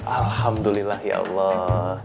alhamdulillah ya allah